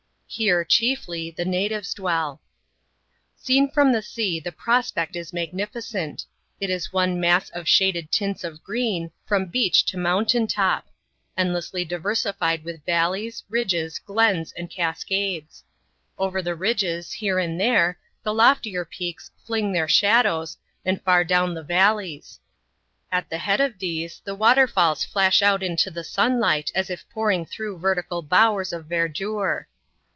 Here, chiefly, the natives dwell. Seen from the sea, the prospect is magnificent. It is one mass of shaded tints of green, from beach to mountain top ; endlessly diversified with valleys, ridges, glens, and cascades. Over the ridges, here and there, the loftier peaks fling their shadows, and far down the valleys. At the head of these, the water falls flash out into the sunlight as if pouring thro\i«l\N«^ tical bowers of verdure.